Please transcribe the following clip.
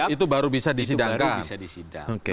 itu baru bisa disidangkan